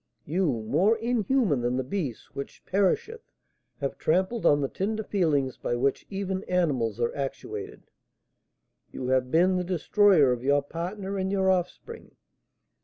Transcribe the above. You, more inhuman than the beast which perisheth, have trampled on the tender feelings by which even animals are actuated, you have been the destroyer of your partner and your offspring.